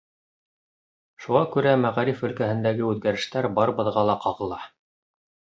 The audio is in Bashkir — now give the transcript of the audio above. Шуға күрә мәғариф өлкәһендәге үҙгәрештәр барыбыҙға ла ҡағыла.